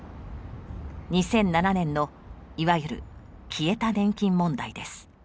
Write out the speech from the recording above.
２００７年のいわゆる消えた年金問題です。